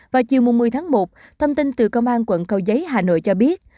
vào chiều một mươi tháng một thông tin từ công an quận cầu giấy hà nội cho biết